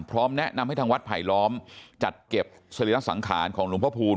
พร้อมแนะนำให้ทางวัดไผลล้อมจัดเก็บสรีระสังขารของหลวงพระภูมิ